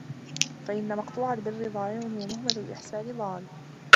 فَإِنَّ مَقْطُوعَ الْبِرِّ ضَائِعٌ وَمُهْمَلُ الْإِحْسَانِ ضَالٌّ